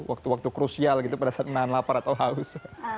waktu waktu krusial gitu pada saat menahan lapar atau haus